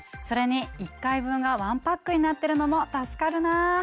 それに１回分が１パックになってるのも助かるな。